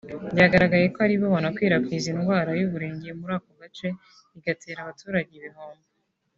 byagaragaye ko ari bo banakwirakwiza indwara y’uburenge muri ako gace bigatera abaturage ibihombo